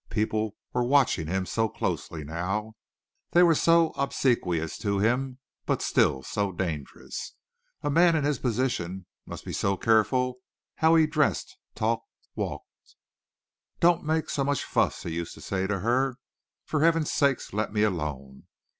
People were watching him so closely now. They were so obsequious to him, but still so dangerous. A man in his position must be so careful how he dressed, talked, walked. "Don't make so much fuss," he used to say to her. "For heaven's sake, let me alone!"